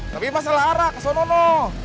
tapi mas salah arah ke sono no